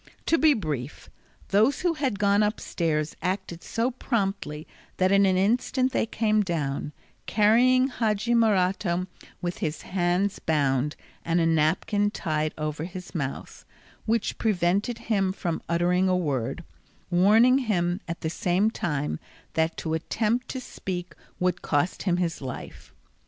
To be brief, those who had gone upstairs acted so promptly that in an instant they came down, carrying Hadji Morato with his hands bound and a napkin tied over his mouth, which prevented him from uttering a word, warning him at the same time that to attempt to speak would cost him his life.